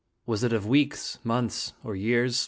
Was it of weeks, months, or years?